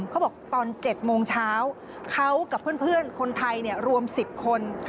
เขาบอกตอน๗โมงเช้าเขากับเพื่อนคนไทยรวม๑๐คน